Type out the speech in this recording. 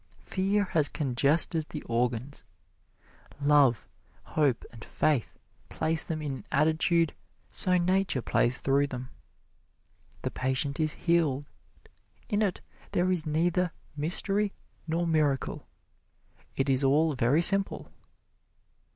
Fear has congested the organs love, hope and faith place them in an attitude so Nature plays through them. The patient is healed. In it there is neither mystery nor miracle. It is all very simple.